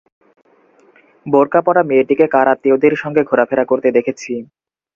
বোরকা পরা মেয়েটিকে কার আত্মীয়দের সঙ্গে ঘোরাফেরা করতে দেখেছি?